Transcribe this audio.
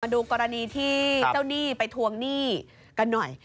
ดูกรณีที่เจ้าหนี้ไปทวงหนี้กันหน่อย